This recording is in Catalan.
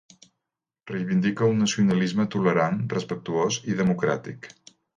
Reivindica un nacionalisme tolerant, respectuós i democràtic.